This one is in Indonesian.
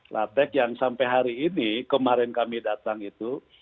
latek yang sampai hari ini kemarin kami datang itu